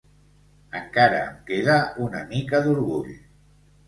Encara em queda una mica d'orgull.